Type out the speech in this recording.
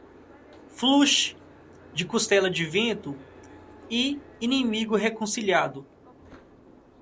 Flush de costela de vento e inimigo reconciliado.